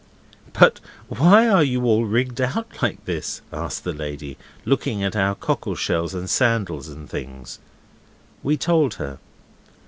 'But why are you all rigged out like this?' asked the lady, looking at our cockle shells and sandals and things. We told her.